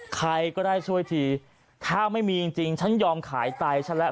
ใครก็ได้ช่วยทีถ้าไม่มีจริงฉันยอมขายไตฉันแล้ว